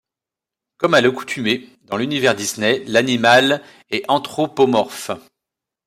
Comme à l'accoutumée dans l'univers Disney, l'animal est anthropomorphe.